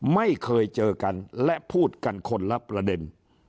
ไม่เคยเจอกันและพูดกันคนละประเด็น